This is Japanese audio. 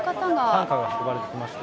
担架が運ばれてきましたね。